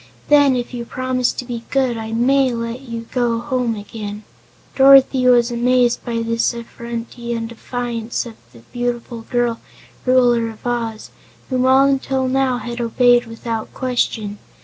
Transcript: Then, if you promise to be good, I may let you go home again." Dorothy was amazed by this effrontery and defiance of the beautiful girl Ruler of Oz, whom all until now had obeyed without question.